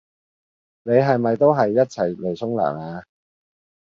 你係咪都係一齊嚟沖涼呀？